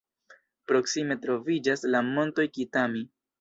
Proksime troviĝas la Montoj Kitami.